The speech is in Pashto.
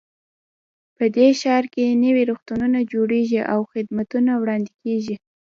په دې ښار کې نوي روغتونونه جوړیږي او خدمتونه وړاندې کیږي